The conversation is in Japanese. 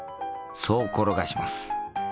そう転がします。